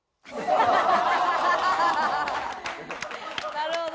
なるほど！